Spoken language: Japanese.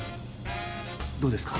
どうですか？